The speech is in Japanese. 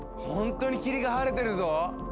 ほんとに霧が晴れてるぞ！